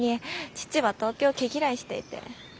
父は東京毛嫌いしていて。